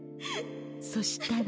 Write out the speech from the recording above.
そしたら。